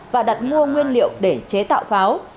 và đặt mua nguyên liệu để chế tạo pháo